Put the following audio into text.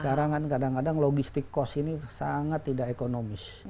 sekarang kan kadang kadang logistik cost ini sangat tidak ekonomis